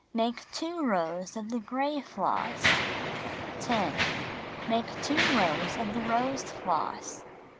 Make 2 rows of the gray floss. Make 2 rows of the rose floss.